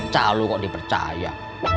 calo kok dipercaya